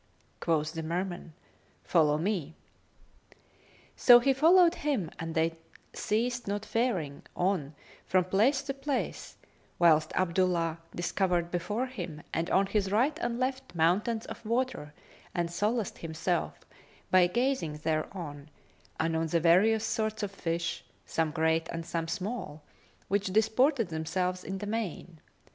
Quoth the Merman, "Follow me." So he followed him and they ceased not faring on from place to place, whilst Abdullah discovered before him and on his right and left mountains of water and solaced himself by gazing thereon and on the various sorts of fish, some great and some small, which disported themselves in the main.